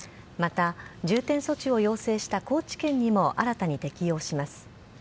また、重点措置を要請した高知県にも新たに適用します。